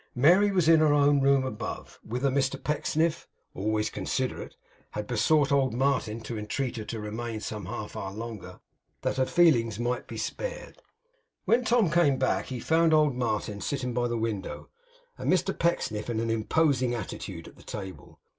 Mary was in her own room above, whither Mr Pecksniff, always considerate, had besought old Martin to entreat her to remain some half hour longer, that her feelings might be spared. When Tom came back, he found old Martin sitting by the window, and Mr Pecksniff in an imposing attitude at the table.